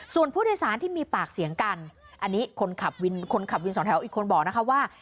ส่วนผู้โดยสารที่มีปากเสียงกันอันนี้คนขับวินคนขับวินสองแถวอีกคนบอกนะคะว่า